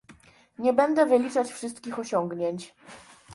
Nie będę wyliczać wszystkich osiągnięć